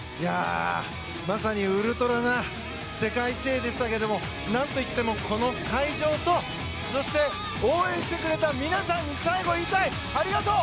まさにウルトラな世界水泳でしたけどもなんといってもこの会場とそして応援してくれた皆さんに最後、言いたいありがとう！